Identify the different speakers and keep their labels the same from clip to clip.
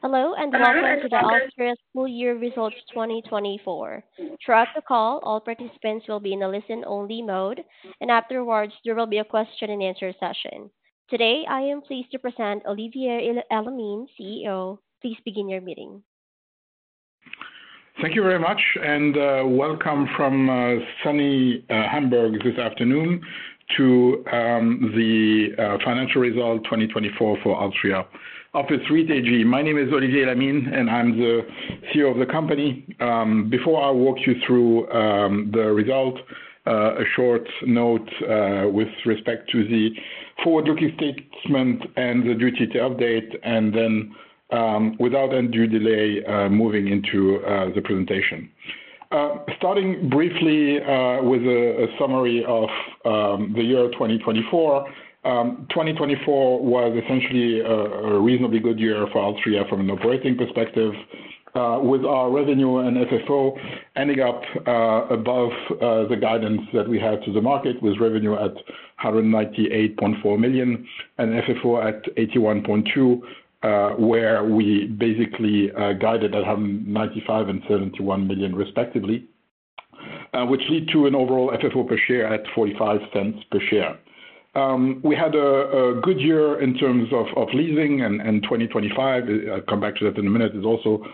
Speaker 1: Hello and welcome to the alstria office REIT AG Full Year Results 2024. Throughout the call, all participants will be in a listen-only mode, and afterwards there will be a question-and-answer session. Today, I am pleased to present Olivier Elamine, CEO. Please begin your meeting.
Speaker 2: Thank you very much, and welcome from sunny Hamburg this afternoon to the financial result 2024 for alstria office REIT AG. My name is Olivier Elamine, and I'm the CEO of the company. Before I walk you through the result, a short note with respect to the forward-looking statement and the due date update, and then without any due delay, moving into the presentation. Starting briefly with a summary of the year 2024, 2024 was essentially a reasonably good year for alstria from an operating perspective, with our revenue and FFO ending up above the guidance that we had to the market, with revenue at 198.4 million and FFO at 81.2 million, where we basically guided at 195 million and 71 million respectively, which led to an overall FFO per share at 0.45 per share. We had a good year in terms of leasing, and 2025, I'll come back to that in a minute, is also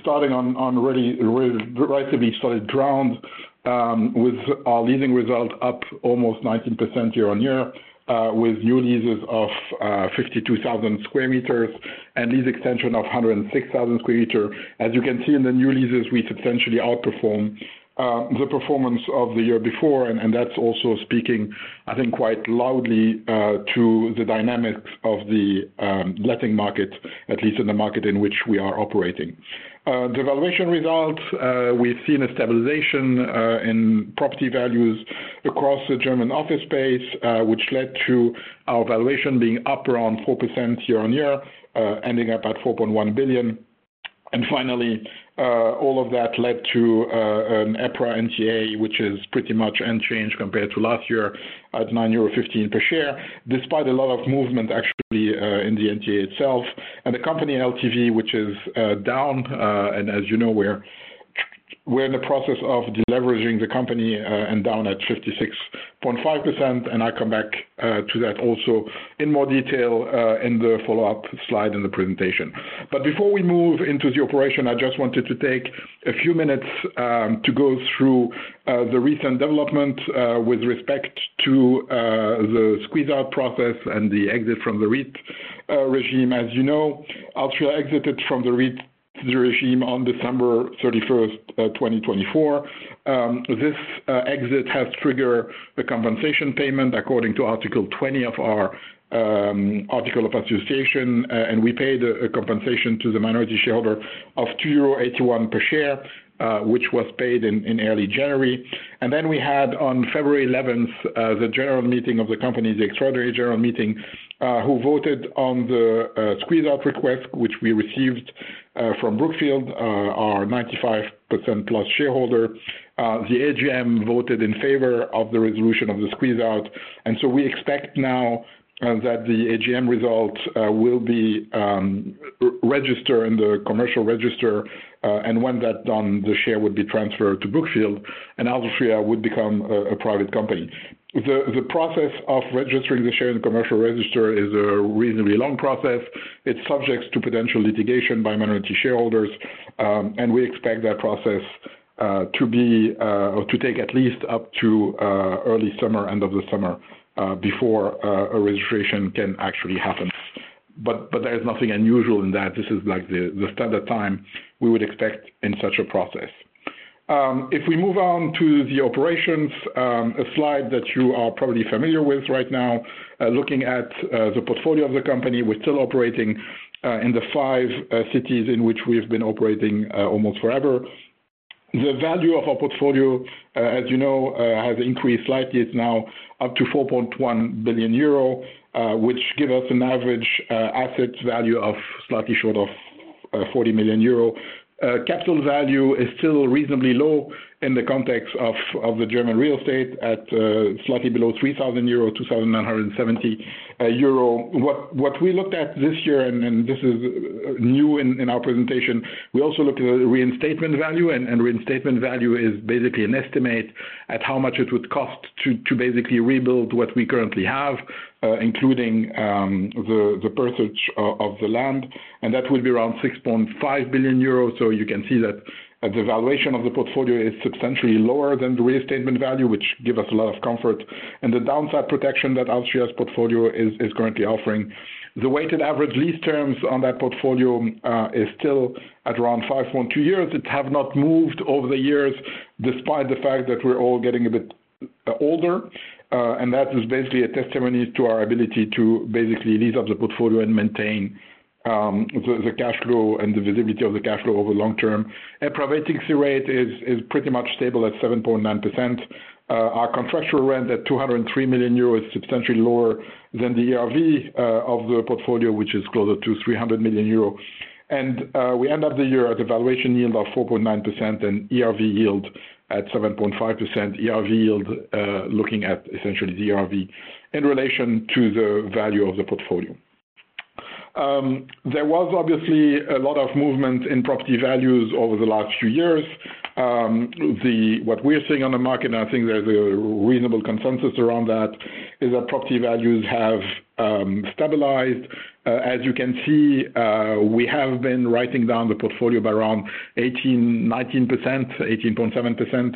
Speaker 2: starting on a relatively solid ground, with our leasing result up almost 19% year on year, with new leases of 52,000 sq m and lease extension of 106,000 sq m. As you can see in the new leases, we substantially outperformed the performance of the year before, and that's also speaking, I think, quite loudly to the dynamics of the letting market, at least in the market in which we are operating. The valuation result, we've seen a stabilization in property values across the German office space, which led to our valuation being up around 4% year on year, ending up at 4.1 billion. Finally, all of that led to an EPRA NTA, which is pretty much unchanged compared to last year at 9.15 euro per share, despite a lot of movement actually in the NTA itself. The company LTV, which is down, and as you know, we're in the process of deleveraging the company and down at 56.5%. I'll come back to that also in more detail in the follow-up slide in the presentation. Before we move into the operation, I just wanted to take a few minutes to go through the recent developments with respect to the squeeze-out process and the exit from the REIT regime. As you know, alstria exited from the REIT regime on December 31, 2024. This exit has triggered a compensation payment according to Article 20 of our Article of Association, and we paid a compensation to the minority shareholder of 2.81 euros per share, which was paid in early January. We had on February 11th, the general meeting of the company, the extraordinary general meeting, who voted on the squeeze-out request which we received from Brookfield, our 95%+ shareholder. The AGM voted in favor of the resolution of the squeeze-out. We expect now that the AGM result will be registered in the commercial register, and when that's done, the share would be transferred to Brookfield, and alstria would become a private company. The process of registering the share in the commercial register is a reasonably long process. It's subject to potential litigation by minority shareholders, and we expect that process to take at least up to early summer, end of the summer, before a registration can actually happen. There is nothing unusual in that. This is like the standard time we would expect in such a process. If we move on to the operations, a slide that you are probably familiar with right now, looking at the portfolio of the company, we're still operating in the five cities in which we've been operating almost forever. The value of our portfolio, as you know, has increased slightly. It's now up to 4.1 billion euro, which gives us an average asset value of slightly short of 40 million euro. Capital value is still reasonably low in the context of the German real estate at slightly below 3,000 euro, 2,970 euro. What we looked at this year, and this is new in our presentation, we also looked at the reinstatement value, and reinstatement value is basically an estimate at how much it would cost to basically rebuild what we currently have, including the purchase of the land, and that would be around 6.5 billion euros. You can see that the valuation of the portfolio is substantially lower than the reinstatement value, which gives us a lot of comfort and the downside protection that alstria's portfolio is currently offering. The weighted average lease terms on that portfolio are still at around 5.2 years. It has not moved over the years despite the fact that we're all getting a bit older, and that is basically a testimony to our ability to basically lease up the portfolio and maintain the cash flow and the visibility of the cash flow over the long term. A private equity rate is pretty much stable at 7.9%. Our contractual rent at 203 million euros is substantially lower than the ERV of the portfolio, which is closer to 300 million euros. We end up the year at a valuation yield of 4.9% and ERV yield at 7.5%, ERV yield looking at essentially the ERV in relation to the value of the portfolio. There was obviously a lot of movement in property values over the last few years. What we are seeing on the market, and I think there is a reasonable consensus around that, is that property values have stabilized. As you can see, we have been writing down the portfolio by around 18%-19%, 18.7%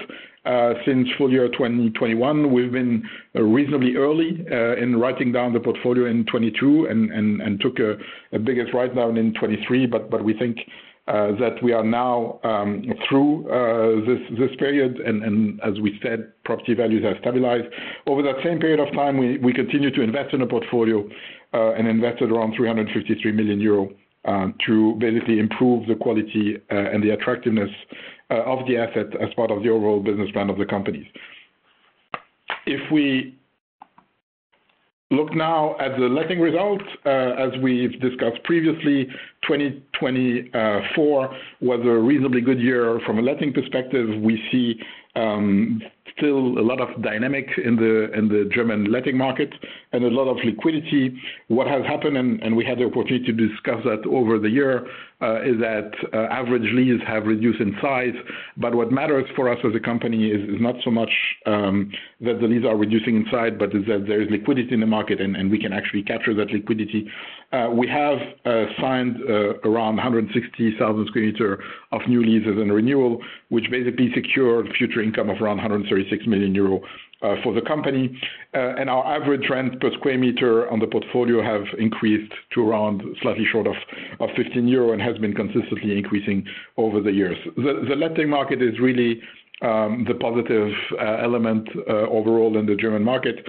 Speaker 2: since full year 2021. We have been reasonably early in writing down the portfolio in 2022 and took a biggest write-down in 2023, but we think that we are now through this period. As we said, property values have stabilized. Over that same period of time, we continued to invest in the portfolio and invested around 353 million euro to basically improve the quality and the attractiveness of the asset as part of the overall business plan of the companies. If we look now at the letting result, as we've discussed previously, 2024 was a reasonably good year from a letting perspective. We see still a lot of dynamic in the German letting market and a lot of liquidity. What has happened, and we had the opportunity to discuss that over the year, is that average leases have reduced in size. What matters for us as a company is not so much that the leases are reducing in size, but that there is liquidity in the market, and we can actually capture that liquidity. We have signed around 160,000 sq m of new leases and renewal, which basically secured future income of around 136 million euro for the company. Our average rent per sq m on the portfolio has increased to around slightly short of 15 euro and has been consistently increasing over the years. The letting market is really the positive element overall in the German market.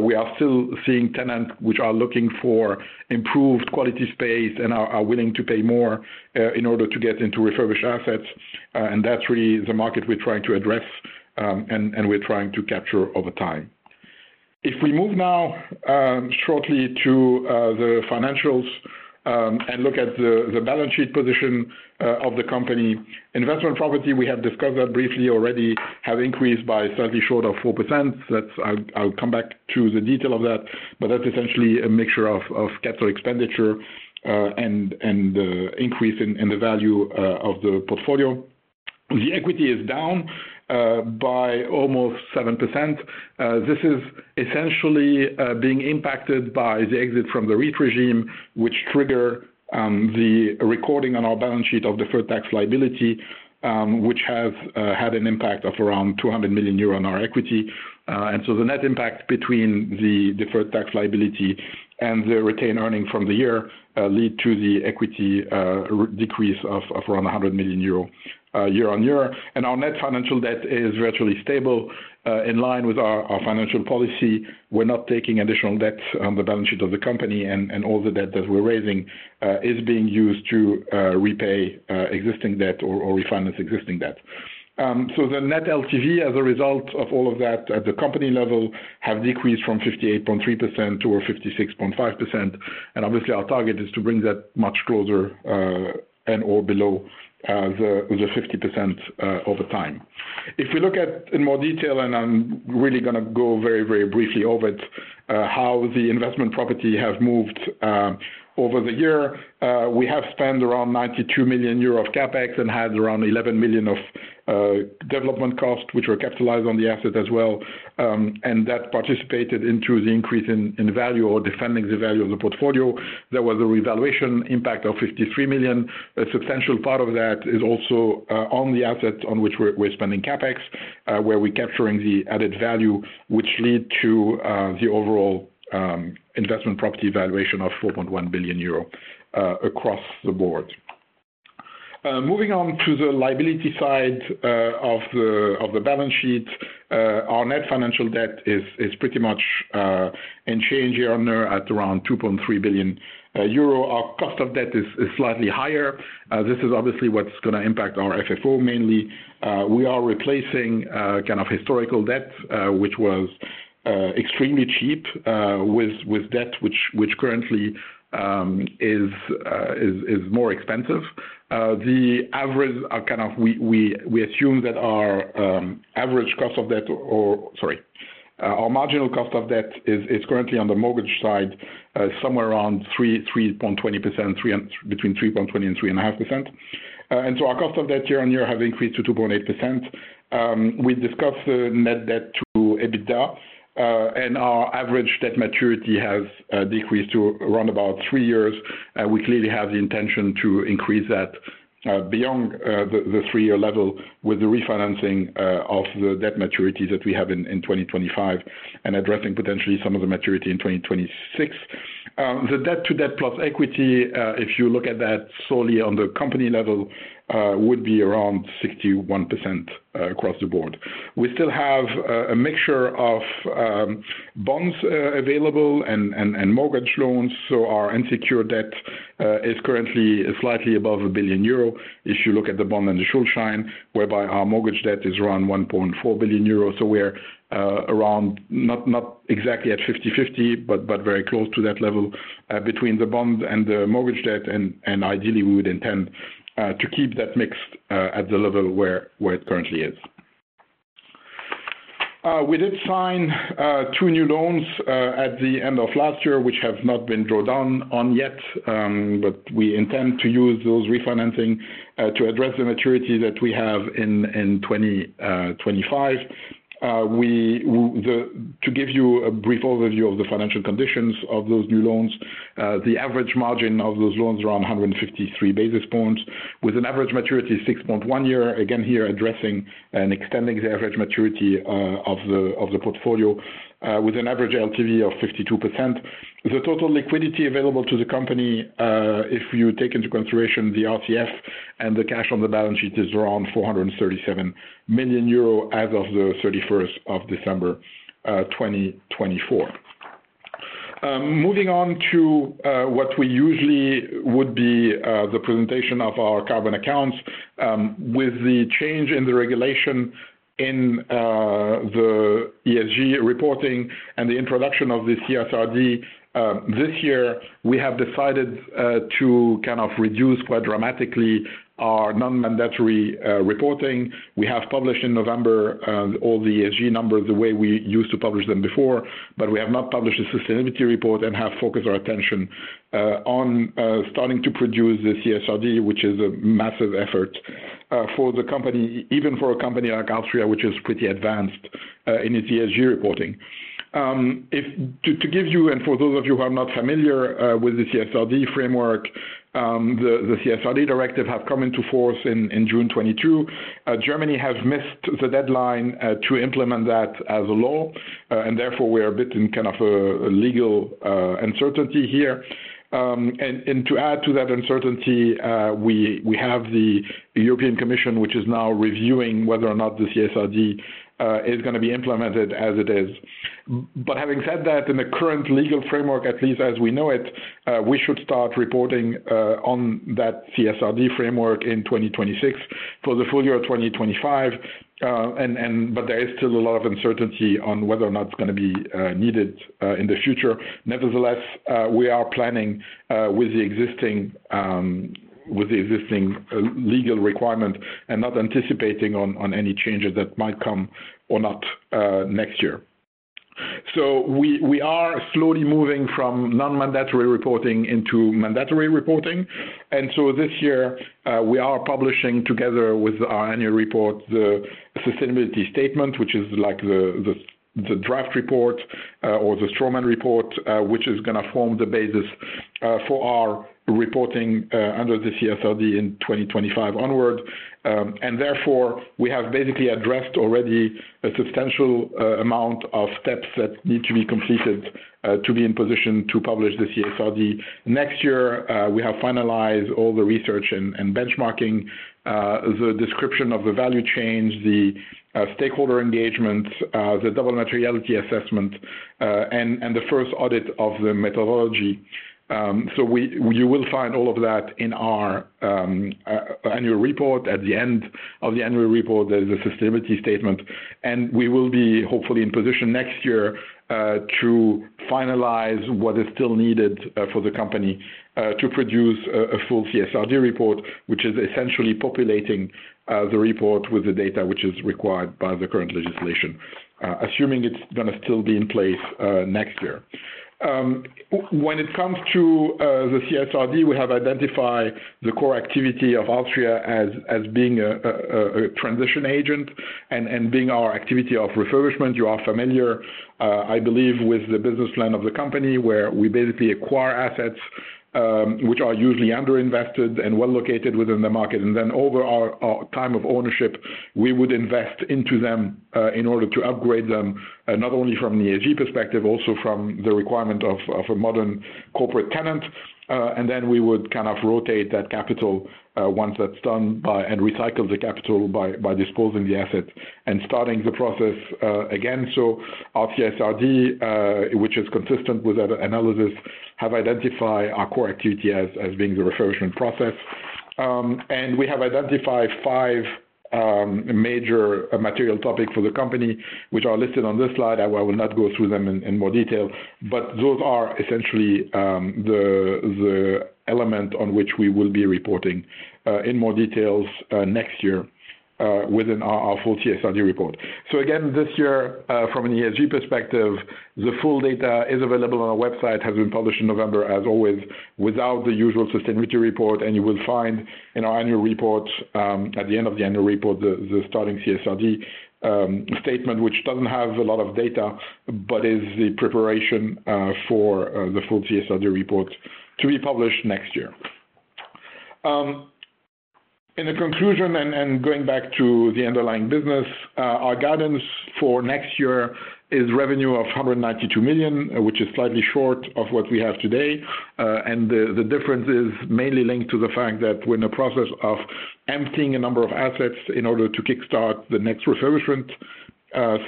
Speaker 2: We are still seeing tenants which are looking for improved quality space and are willing to pay more in order to get into refurbished assets. That is really the market we are trying to address, and we are trying to capture over time. If we move now shortly to the financials and look at the balance sheet position of the company, investment property, we have discussed that briefly already, has increased by slightly short of 4%. I'll come back to the detail of that, but that's essentially a mixture of capital expenditure and the increase in the value of the portfolio. The equity is down by almost 7%. This is essentially being impacted by the exit from the REIT regime, which triggered the recording on our balance sheet of deferred tax liability, which has had an impact of around 200 million euro on our equity. The net impact between the deferred tax liability and the retained earnings from the year led to the equity decrease of around 100 million euro year on year. Our net financial debt is virtually stable in line with our financial policy. We're not taking additional debts on the balance sheet of the company, and all the debt that we're raising is being used to repay existing debt or refinance existing debt. The net LTV, as a result of all of that at the company level, has decreased from 58.3% to 56.5%. Obviously, our target is to bring that much closer and/or below the 50% over time. If we look at in more detail, and I'm really going to go very, very briefly over it, how the investment property has moved over the year, we have spent around 92 million euro of CapEx and had around 11 million of development costs, which were capitalized on the asset as well. That participated into the increase in value or defending the value of the portfolio. There was a revaluation impact of 53 million. A substantial part of that is also on the assets on which we're spending CapEx, where we're capturing the added value, which led to the overall investment property valuation of 4.1 billion euro across the board. Moving on to the liability side of the balance sheet, our net financial debt is pretty much unchanged year on year at around 2.3 billion euro. Our cost of debt is slightly higher. This is obviously what's going to impact our FFO mainly. We are replacing kind of historical debt, which was extremely cheap, with debt which currently is more expensive. The average, kind of we assume that our average cost of debt or, sorry, our marginal cost of debt is currently on the mortgage side somewhere around 3.20%, between 3.20% to 3.5%. Our cost of debt year on year has increased to 2.8%. We discussed the net debt to EBITDA, and our average debt maturity has decreased to around about three years. We clearly have the intention to increase that beyond the three-year level with the refinancing of the debt maturities that we have in 2025 and addressing potentially some of the maturity in 2026. The debt-to-debt plus equity, if you look at that solely on the company level, would be around 61% across the board. We still have a mixture of bonds available and mortgage loans. Our unsecured debt is currently slightly above 1 billion euro. If you look at the bond and the Schuldschein, whereby our mortgage debt is around 1.4 billion euro. We are around not exactly at 50/50, but very close to that level between the bond and the mortgage debt. Ideally, we would intend to keep that mix at the level where it currently is. We did sign two new loans at the end of last year, which have not been drawn down on yet, but we intend to use those refinancing to address the maturity that we have in 2025. To give you a brief overview of the financial conditions of those new loans, the average margin of those loans is around 153 basis points, with an average maturity of 6.1 year. Again, here addressing and extending the average maturity of the portfolio with an average LTV of 52%. The total liquidity available to the company, if you take into consideration the RCF and the cash on the balance sheet, is around 437 million euro as of the 31st of December 2024. Moving on to what we usually would be the presentation of our carbon accounts. With the change in the regulation in the ESG reporting and the introduction of the CSRD this year, we have decided to kind of reduce quite dramatically our non-mandatory reporting. We have published in November all the ESG numbers the way we used to publish them before, but we have not published a sustainability report and have focused our attention on starting to produce the CSRD, which is a massive effort for the company, even for a company like alstria, which is pretty advanced in its ESG reporting. To give you, and for those of you who are not familiar with the CSRD framework, the CSRD directive has come into force in June 2022. Germany has missed the deadline to implement that as a law, and therefore we are a bit in kind of a legal uncertainty here. To add to that uncertainty, we have the European Commission, which is now reviewing whether or not the CSRD is going to be implemented as it is. Having said that, in the current legal framework, at least as we know it, we should start reporting on that CSRD framework in 2026 for the full year of 2025. There is still a lot of uncertainty on whether or not it's going to be needed in the future. Nevertheless, we are planning with the existing legal requirement and not anticipating on any changes that might come or not next year. We are slowly moving from non-mandatory reporting into mandatory reporting. This year, we are publishing together with our annual report the sustainability statement, which is like the draft report or the Stroman report, which is going to form the basis for our reporting under the CSRD in 2025 onward. Therefore, we have basically addressed already a substantial amount of steps that need to be completed to be in position to publish the CSRD. Next year, we have finalized all the research and benchmarking, the description of the value chain, the stakeholder engagements, the double materiality assessment, and the first audit of the methodology. You will find all of that in our annual report. At the end of the annual report, there is a sustainability statement, and we will be hopefully in position next year to finalize what is still needed for the company to produce a full CSRD report, which is essentially populating the report with the data which is required by the current legislation, assuming it's going to still be in place next year. When it comes to the CSRD, we have identified the core activity of alstria as being a transition agent and being our activity of refurbishment. You are familiar, I believe, with the business plan of the company where we basically acquire assets which are usually underinvested and well located within the market. Then over our time of ownership, we would invest into them in order to upgrade them not only from an ESG perspective, also from the requirement of a modern corporate tenant. We would kind of rotate that capital once that's done and recycle the capital by disposing of the assets and starting the process again. Our CSRD, which is consistent with that analysis, has identified our core activity as being the refurbishment process. We have identified five major material topics for the company, which are listed on this slide. I will not go through them in more detail, but those are essentially the element on which we will be reporting in more details next year within our full CSRD report. This year, from an ESG perspective, the full data is available on our website, has been published in November, as always, without the usual sustainability report. You will find in our annual report, at the end of the annual report, the starting CSRD statement, which does not have a lot of data, but is the preparation for the full CSRD report to be published next year. In the conclusion, going back to the underlying business, our guidance for next year is revenue of 192 million, which is slightly short of what we have today. The difference is mainly linked to the fact that we are in the process of emptying a number of assets in order to kickstart the next refurbishment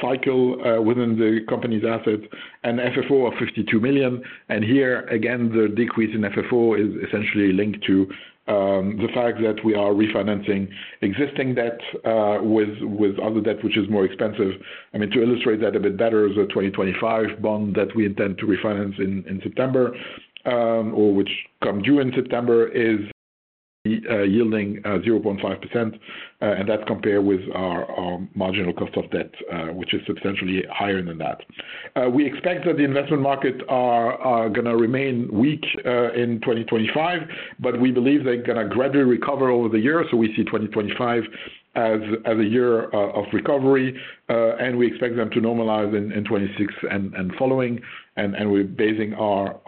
Speaker 2: cycle within the company's assets and FFO of 52 million. Here, again, the decrease in FFO is essentially linked to the fact that we are refinancing existing debt with other debt, which is more expensive. I mean, to illustrate that a bit better, the 2025 bond that we intend to refinance in September, or which comes due in September, is yielding 0.5%. That compared with our marginal cost of debt, which is substantially higher than that. We expect that the investment markets are going to remain weak in 2025, but we believe they're going to gradually recover over the year. We see 2025 as a year of recovery, and we expect them to normalize in 2026 and following. We're basing our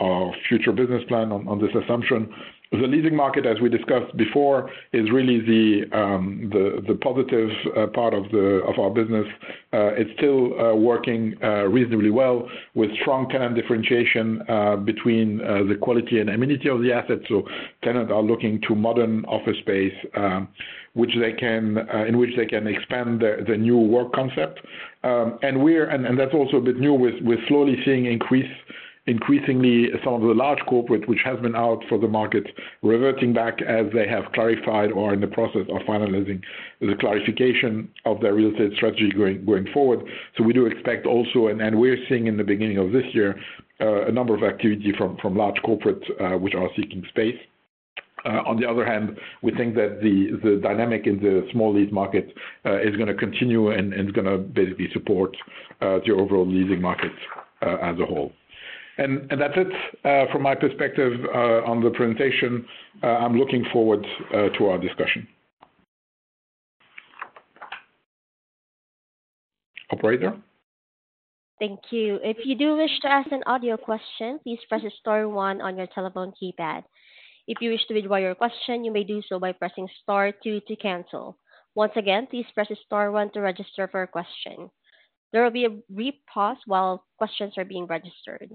Speaker 2: future business plan on this assumption. The leading market, as we discussed before, is really the positive part of our business. It's still working reasonably well with strong tenant differentiation between the quality and amenity of the assets. Tenants are looking to modern office space, in which they can expand the new work concept. That's also a bit new. We're slowly seeing increasingly some of the large corporate, which has been out for the market, reverting back as they have clarified or are in the process of finalizing the clarification of their real estate strategy going forward. We do expect also, and we're seeing in the beginning of this year, a number of activity from large corporates which are seeking space. On the other hand, we think that the dynamic in the small lease market is going to continue and is going to basically support the overall leasing markets as a whole. That's it from my perspective on the presentation. I'm looking forward to our discussion. Operator.
Speaker 1: Thank you. If you do wish to ask an audio question, please press star one on your telephone keypad. If you wish to withdraw your question, you may do so by pressing star two to cancel. Once again, please press star one to register for a question. There will be a brief pause while questions are being registered.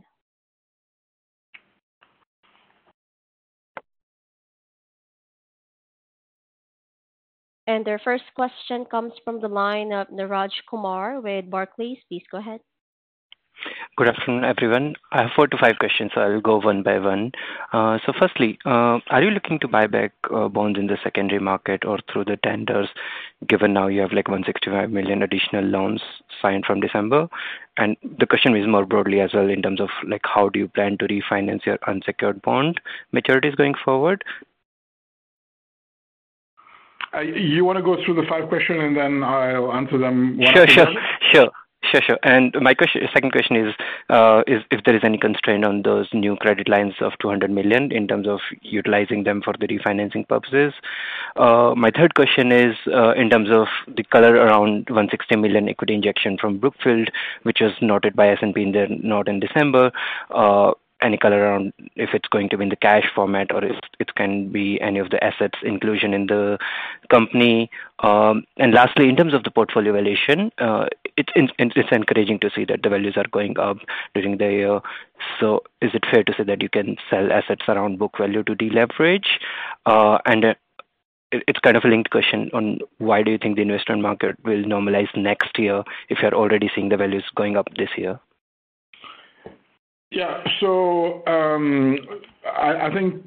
Speaker 1: Our first question comes from the line of Neeraj Kumar with Barclays. Please go ahead.
Speaker 3: Good afternoon, everyone. I have four to five questions, so I'll go one by one. Firstly, are you looking to buy back bonds in the secondary market or through the tenders, given now you have like 165 million additional loans signed from December? The question is more broadly as well in terms of how do you plan to refinance your unsecured bond maturities going forward?
Speaker 2: You want to go through the five questions, and then I'll answer them one by one?
Speaker 3: Sure, sure. Sure, sure. My second question is if there is any constraint on those new credit lines of 200 million in terms of utilizing them for the refinancing purposes. My third question is in terms of the color around 160 million equity injection from Brookfield, which was noted by S&P in their note in December. Any color around if it is going to be in the cash format or if it can be any of the assets inclusion in the company. Lastly, in terms of the portfolio evaluation, it is encouraging to see that the values are going up during the year. Is it fair to say that you can sell assets around book value to deleverage? It is kind of a linked question on why you think the investment market will normalize next year if you are already seeing the values going up this year.
Speaker 2: Yeah. I think,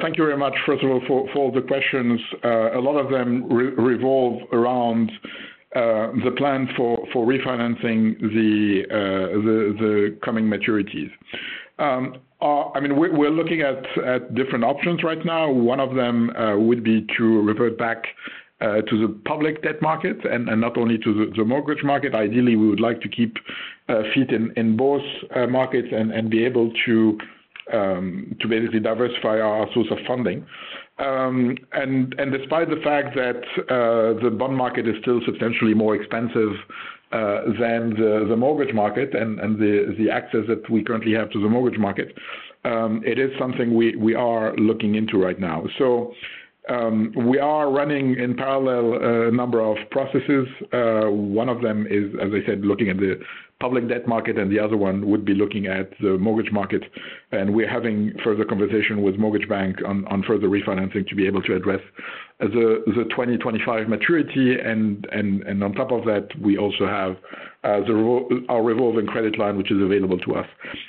Speaker 2: thank you very much, first of all, for all the questions. A lot of them revolve around the plan for refinancing the coming maturities. I mean, we're looking at different options right now. One of them would be to revert back to the public debt market and not only to the mortgage market. Ideally, we would like to keep feet in both markets and be able to basically diversify our source of funding. Despite the fact that the bond market is still substantially more expensive than the mortgage market and the access that we currently have to the mortgage market, it is something we are looking into right now. We are running in parallel a number of processes. One of them is, as I said, looking at the public debt market, and the other one would be looking at the mortgage market. We are having further conversation with Mortgage Bank on further refinancing to be able to address the 2025 maturity. On top of that, we also have our revolving credit line, which is available to us.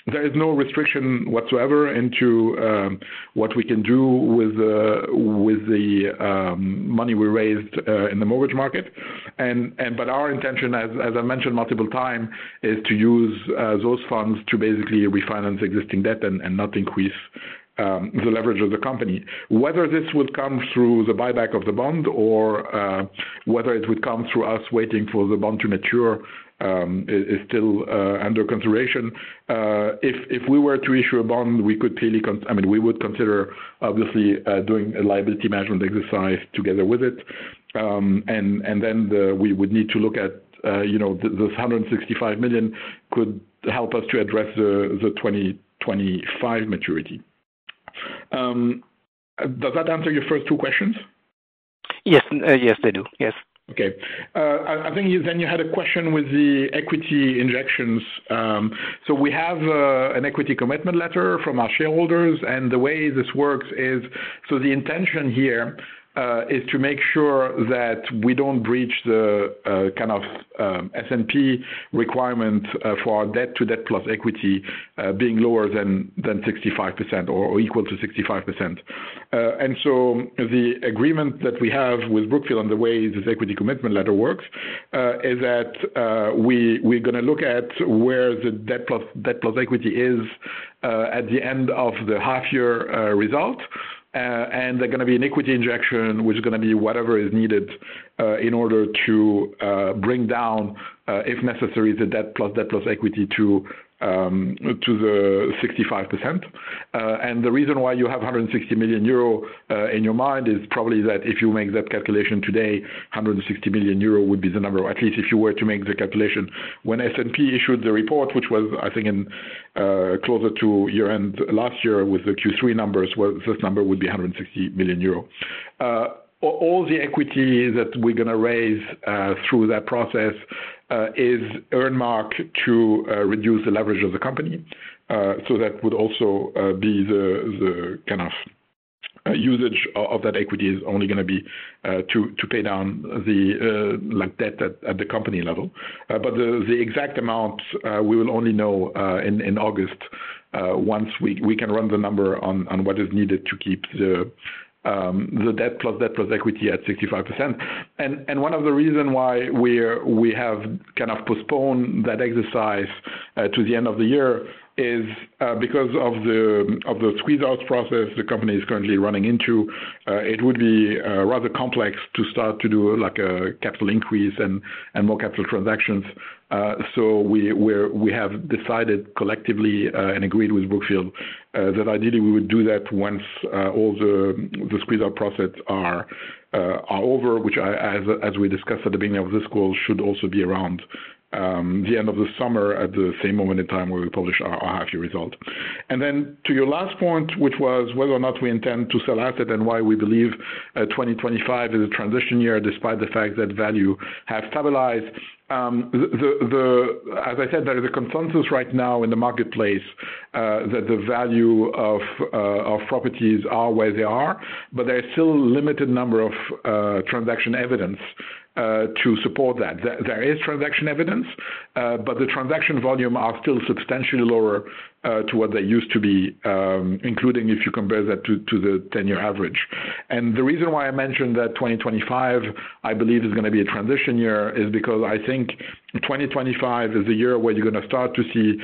Speaker 2: There is no restriction whatsoever into what we can do with the money we raised in the mortgage market. Our intention, as I mentioned multiple times, is to use those funds to basically refinance existing debt and not increase the leverage of the company. Whether this will come through the buyback of the bond or whether it would come through us waiting for the bond to mature is still under consideration. If we were to issue a bond, we could clearly, I mean, we would consider obviously doing a liability management exercise together with it. We would need to look at this 165 million could help us to address the 2025 maturity. Does that answer your first two questions?
Speaker 3: Yes. Yes, they do. Yes.
Speaker 2: Okay. I think you had a question with the equity injections. We have an equity commitment letter from our shareholders. The way this works is the intention here is to make sure that we do not breach the kind of S&P requirement for our debt-to-debt-plus-equity being lower than 65% or equal to 65%. The agreement that we have with Brookfield on the way this equity commitment letter works is that we are going to look at where the debt-plus-equity is at the end of the half-year result. There is going to be an equity injection, which is going to be whatever is needed in order to bring down, if necessary, the debt-plus-debt-plus equity to the 65%. The reason why you have 160 million euro in your mind is probably that if you make that calculation today, 160 million euro would be the number, at least if you were to make the calculation. When S&P issued the report, which was, I think, closer to year-end last year with the Q3 numbers, this number would be 160 million euro. All the equity that we are going to raise through that process is earmarked to reduce the leverage of the company. That would also be the kind of usage of that equity; it is only going to be to pay down the debt at the company level. The exact amount, we will only know in August once we can run the number on what is needed to keep the debt-plus-debt-plus equity at 65%. One of the reasons why we have kind of postponed that exercise to the end of the year is because of the squeeze-out process the company is currently running into. It would be rather complex to start to do a capital increase and more capital transactions. We have decided collectively and agreed with Brookfield that ideally we would do that once all the squeeze-out processes are over, which, as we discussed at the beginning of this call, should also be around the end of the summer at the same moment in time where we publish our half-year result. To your last point, which was whether or not we intend to sell assets and why we believe 2025 is a transition year despite the fact that value has stabilized. As I said, there is a consensus right now in the marketplace that the value of properties are where they are, but there is still a limited number of transaction evidence to support that. There is transaction evidence, but the transaction volume are still substantially lower to what they used to be, including if you compare that to the 10-year average. The reason why I mentioned that 2025, I believe, is going to be a transition year is because I think 2025 is the year where you're going to start to see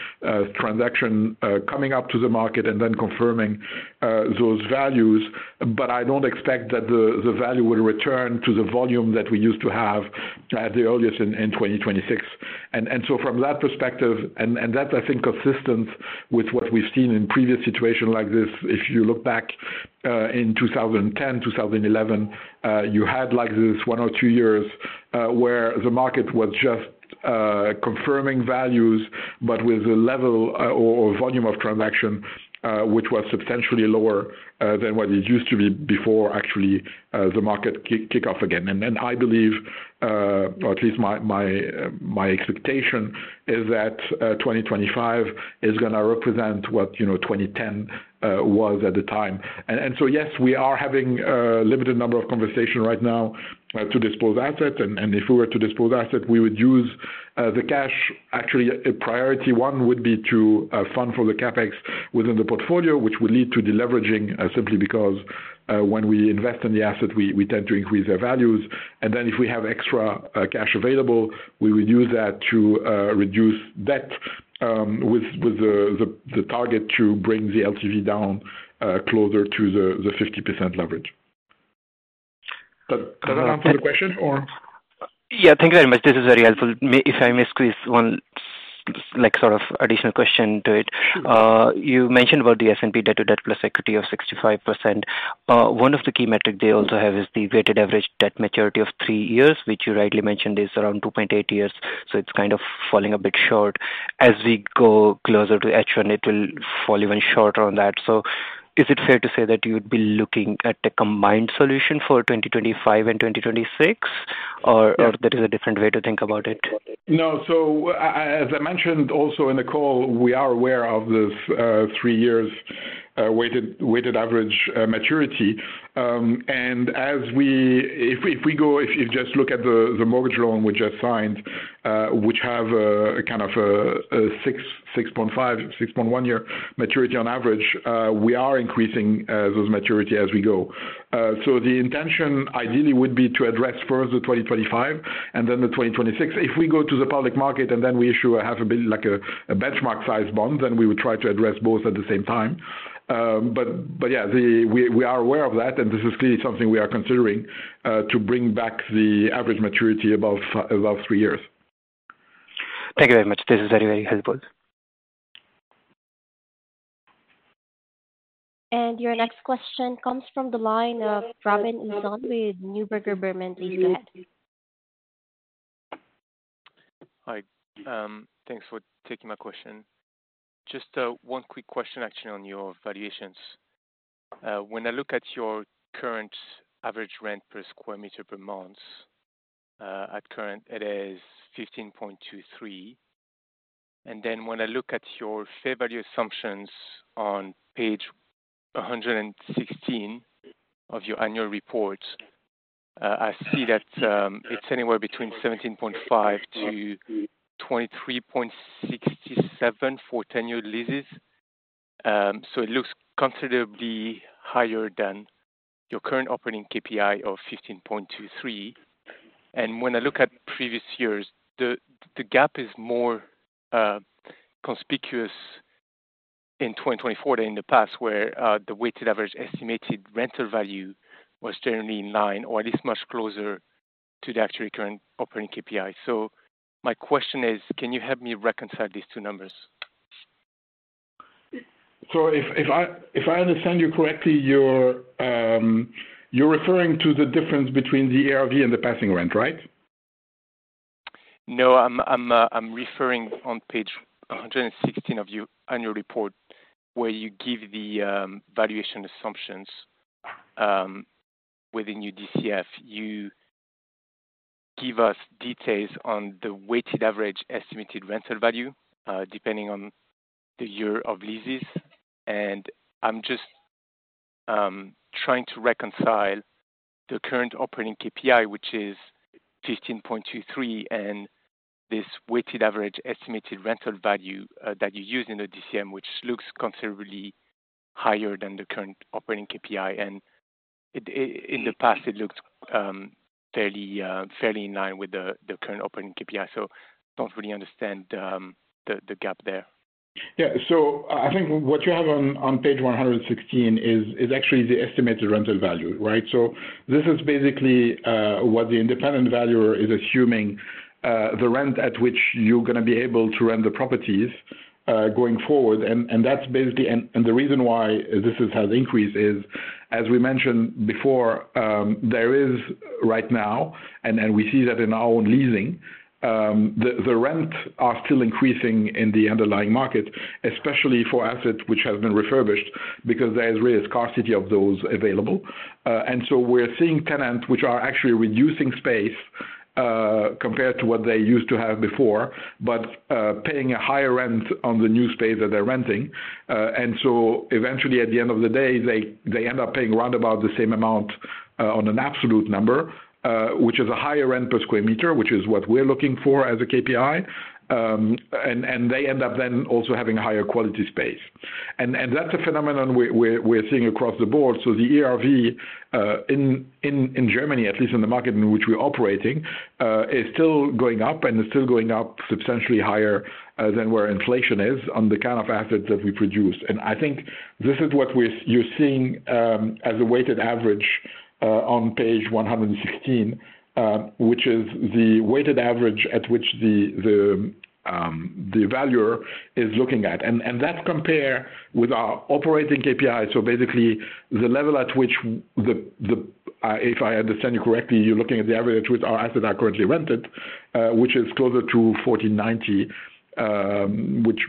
Speaker 2: transaction coming up to the market and then confirming those values. I don't expect that the value will return to the volume that we used to have at the earliest in 2026. From that perspective, and that, I think, is consistent with what we've seen in previous situations like this, if you look back in 2010, 2011, you had like this one or two years where the market was just confirming values, but with the level or volume of transaction, which was substantially lower than what it used to be before actually the market kicked off again. I believe, or at least my expectation, is that 2025 is going to represent what 2010 was at the time. Yes, we are having a limited number of conversations right now to dispose assets. If we were to dispose assets, we would use the cash. Actually, priority one would be to fund for the CapEx within the portfolio, which would lead to deleveraging simply because when we invest in the asset, we tend to increase their values. If we have extra cash available, we would use that to reduce debt with the target to bring the LTV down closer to the 50% leverage. Does that answer the question or?
Speaker 3: Yeah. Thank you very much. This is very helpful. If I may squeeze one sort of additional question to it. You mentioned about the S&P debt-to-debt-plus equity of 65%. One of the key metrics they also have is the weighted average debt maturity of three years, which you rightly mentioned is around 2.8 years. It is kind of falling a bit short. As we go closer to H1, it will fall even shorter on that. Is it fair to say that you would be looking at a combined solution for 2025 and 2026, or that is a different way to think about it?
Speaker 2: No. As I mentioned also in the call, we are aware of the three-year weighted average maturity. If we just look at the mortgage loan we just signed, which has kind of a 6.5 to 6.1 year maturity on average, we are increasing those maturities as we go. The intention ideally would be to address first the 2025 and then the 2026. If we go to the public market and issue a benchmark-sized bond, then we would try to address both at the same time. Yeah, we are aware of that, and this is clearly something we are considering to bring back the average maturity above three years.
Speaker 3: Thank you very much. This is very, very helpful.
Speaker 1: Your next question comes from the line of Robin Usson with Neuberger Berman. Please go ahead.
Speaker 4: Hi. Thanks for taking my question. Just one quick question actually on your valuations. When I look at your current average rent per square meter per month, at current, it is 15.23. When I look at your fair value assumptions on page 116 of your annual reports, I see that it is anywhere between 17.5 to 23.67 for 10-year leases. It looks considerably higher than your current operating KPI of 15.23. When I look at previous years, the gap is more conspicuous in 2024 than in the past, where the weighted average estimated rental value was generally in line or at least much closer to the actually current operating KPI. My question is, can you help me reconcile these two numbers?
Speaker 2: If I understand you correctly, you're referring to the difference between the REIT and the passing rent, right?
Speaker 4: No, I'm referring on page 116 of your annual report where you give the valuation assumptions within your DCF. You give us details on the weighted average estimated rental value depending on the year of leases. I'm just trying to reconcile the current operating KPI, which is 15.23, and this weighted average estimated rental value that you use in the DCF, which looks considerably higher than the current operating KPI. In the past, it looked fairly in line with the current operating KPI. I don't really understand the gap there.
Speaker 2: Yeah. I think what you have on page 116 is actually the estimated rental value, right? This is basically what the independent valuer is assuming, the rent at which you're going to be able to rent the properties going forward. The reason why this has increased is, as we mentioned before, there is right now, and we see that in our own leasing, the rents are still increasing in the underlying market, especially for assets which have been refurbished because there is scarcity of those available. We're seeing tenants which are actually reducing space compared to what they used to have before, but paying a higher rent on the new space that they're renting. Eventually, at the end of the day, they end up paying round about the same amount on an absolute number, which is a higher rent per square meter, which is what we're looking for as a KPI. They end up then also having a higher quality space. That's a phenomenon we're seeing across the board. The REIT in Germany, at least in the market in which we're operating, is still going up and is still going up substantially higher than where inflation is on the kind of assets that we produce. I think this is what you're seeing as a weighted average on page 116, which is the weighted average at which the valuer is looking at. That's compared with our operating KPI. Basically, the level at which, if I understand you correctly, you're looking at the average at which our assets are currently rented, which is closer to 14.90,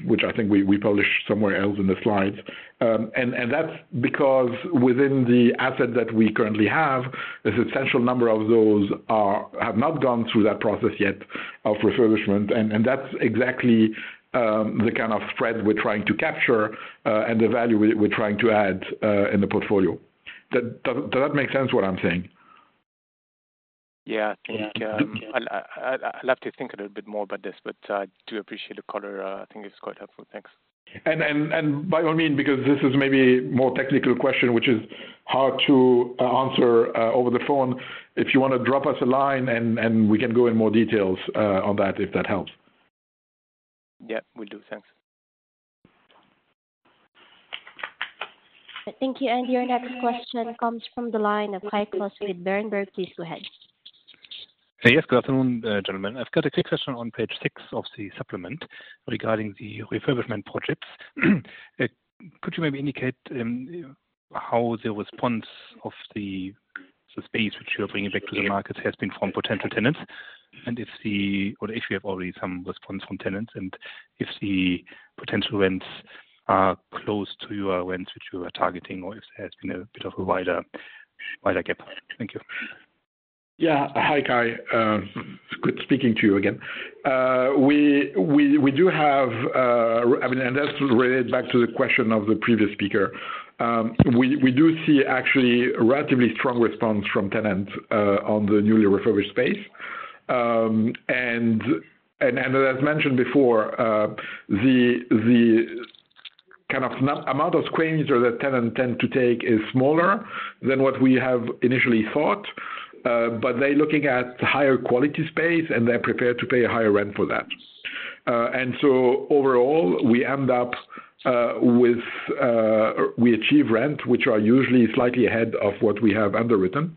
Speaker 2: which I think we published somewhere else in the slides. That is because within the asset that we currently have, a substantial number of those have not gone through that process yet of refurbishment. That is exactly the kind of thread we are trying to capture and the value we are trying to add in the portfolio. Does that make sense what I am saying?
Speaker 4: Yeah. I would love to think a little bit more about this, but I do appreciate the color. I think it is quite helpful. Thanks.
Speaker 2: By all means, because this is maybe a more technical question, which is hard to answer over the phone, if you want to drop us a line, we can go in more details on that if that helps.
Speaker 4: Yeah, will do. Thanks.
Speaker 1: Thank you. Your next question comes from the line of Kai Klose with Berenberg. Please go ahead.
Speaker 5: Yes. Good afternoon, gentlemen. I've got a quick question on page six of the supplement regarding the refurbishment projects. Could you maybe indicate how the response of the space which you're bringing back to the market has been from potential tenants? If you have already some response from tenants and if the potential rents are close to your rents which you are targeting or if there has been a bit of a wider gap? Thank you.
Speaker 2: Yeah. Hi, Kai. It's good speaking to you again. We do have, and that's related back to the question of the previous speaker, we do see actually a relatively strong response from tenants on the newly refurbished space. As mentioned before, the kind of amount of square meters that tenants tend to take is smaller than what we have initially thought, but they're looking at higher quality space, and they're prepared to pay a higher rent for that. Overall, we achieve rent which are usually slightly ahead of what we have underwritten.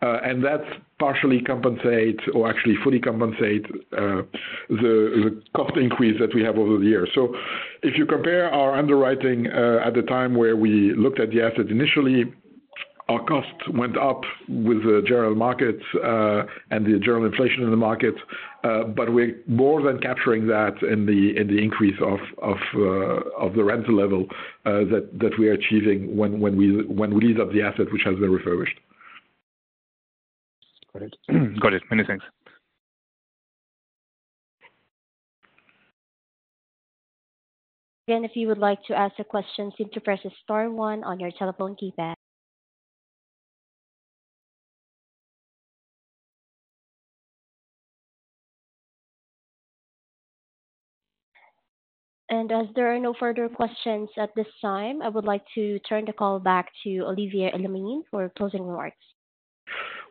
Speaker 2: That partially compensates or actually fully compensates the cost increase that we have over the years. If you compare our underwriting at the time where we looked at the asset initially, our cost went up with the general markets and the general inflation in the markets, but we're more than capturing that in the increase of the rental level that we are achieving when we lease up the asset which has been refurbished.
Speaker 5: Got it. Got it. Many thanks.
Speaker 1: Again, if you would like to ask a question, please press star one on your telephone keypad. As there are no further questions at this time, I would like to turn the call back to Olivier Elamine for closing remarks.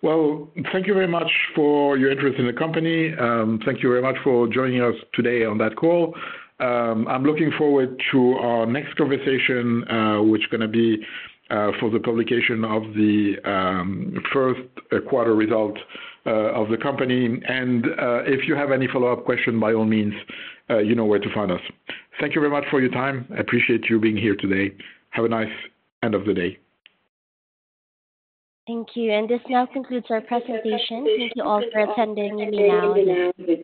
Speaker 2: Thank you very much for your interest in the company. Thank you very much for joining us today on that call. I am looking forward to our next conversation, which is going to be for the publication of the first quarter result of the company. If you have any follow-up question, by all means, you know where to find us. Thank you very much for your time. I appreciate you being here today. Have a nice end of the day.
Speaker 1: Thank you. This now concludes our presentation. Thank you all for attending the meeting.